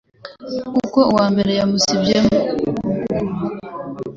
kuko uwa mbere yawusibiyemo